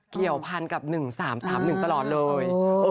เกี่ยวพันกับ๑๓๓๑ตลอดเลย